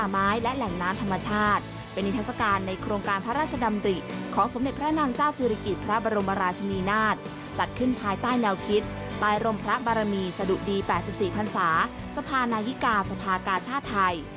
มี๘๔พันศาสะพานายิกาสะพากาช่าไทย